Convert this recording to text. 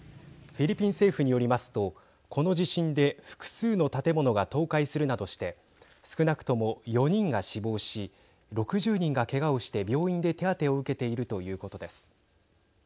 フィリピン政府によりますとこの地震で複数の建物が倒壊するなどして少なくとも４人が死亡し６０人が、けがをして病院で手当てを受けているということです。